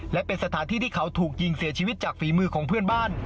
และเป็นสถานที่ที่เขาถูกยิงเสียชีวิตจากฝีมือของเพื่อนบ้าน